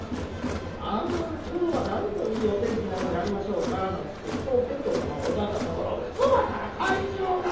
ああきょうはなんといいお天気なのでありましょうかなんつってふとおてんとうさまをおがんだところ空からかいじゅうが！